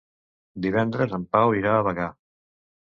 Divendres en Pau irà a Bagà.